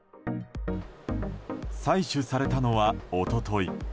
採取されたのは、一昨日。